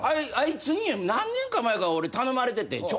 あいつに何年か前か俺頼まれてて。